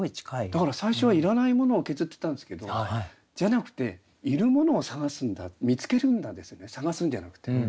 だから最初はいらないものを削ってたんですけどじゃなくているものを探すんだ見つけるんだですよね探すんじゃなくてね。